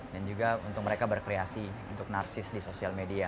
dan juga untuk mereka berkreasi untuk narsis di sosial media